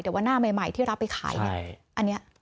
แต่ว่าหน้าใหม่ที่รับไปขายเนี่ยอันนี้